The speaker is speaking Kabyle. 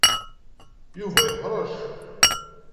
Yuba yeḥṛec.